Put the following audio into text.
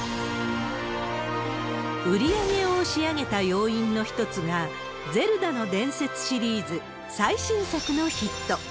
売り上げを押し上げた要因の一つが、ゼルダの伝説シリーズ最新作のヒット。